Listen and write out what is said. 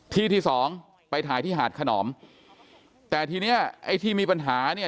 ที่ที่สองไปถ่ายที่หาดขนอมแต่ทีเนี้ยไอ้ที่มีปัญหาเนี่ย